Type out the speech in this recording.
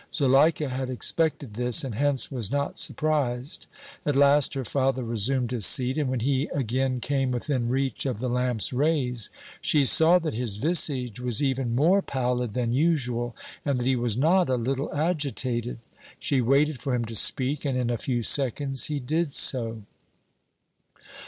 Zuleika had expected this, and hence was not surprised. At last her father resumed his seat, and when he again came within reach of the lamp's rays she saw that his visage was even more pallid than usual and that he was not a little agitated. She waited for him to speak, and in a few seconds he did so.